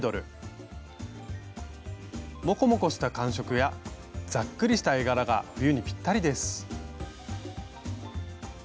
モコモコした感触やざっくりした絵柄が冬にピッタリです。